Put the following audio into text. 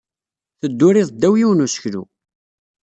Teddurid ddaw yiwen n useklu.